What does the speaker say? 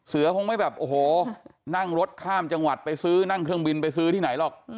คงไม่แบบโอ้โหนั่งรถข้ามจังหวัดไปซื้อนั่งเครื่องบินไปซื้อที่ไหนหรอก